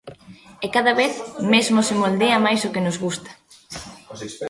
E cada vez mesmo se moldea máis o que nos gusta.